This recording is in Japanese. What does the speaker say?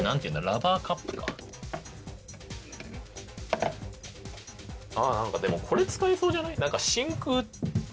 ラバーカップかあぁ何かでもこれ使えそうじゃない？